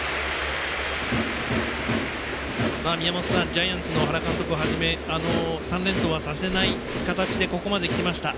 ジャイアンツの原監督をはじめ３連投はさせない形でここまできました。